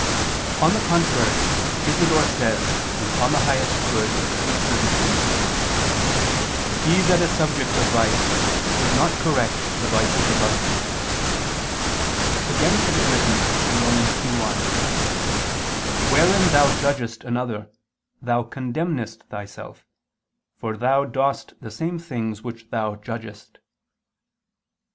On the contrary, Isidore says (De Summo Bono iii, 32): "He that is subject to vice should not correct the vices of others." Again it is written (Rom. 2:1): "Wherein thou judgest another, thou condemnest thyself. For thou dost the same things which thou judgest."